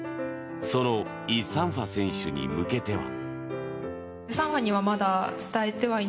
そのイ・サンファ選手に向けては。